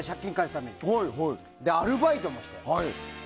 あと、アルバイトもして。